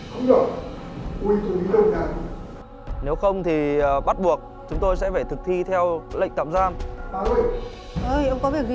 không được uđc bắt tạm giam để đảm bảo tính nghiêm minh của cơ quan công an quản lý để chứng minh vô tội không được đáp ứng